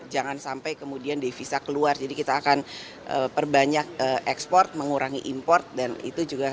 jangan sampai kemudian devisa keluar jadi kita akan perbanyak ekspor mengurangi import dan itu juga